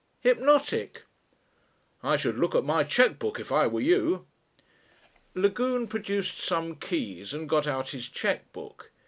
Hypnotic " "I should look at my cheque book if I were you." Lagune produced some keys and got out his cheque book.